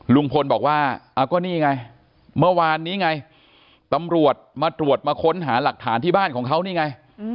ลุงพลบอกว่าก็นี่ไงเมื่อวานนี้ไงตำรวจมาตรวจมาค้นหาหลักฐานที่บ้านของเขานี่ไง